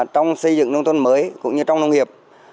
trong nông nghiệp